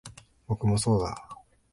僕もそうだ